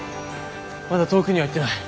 まだ遠くには行ってない。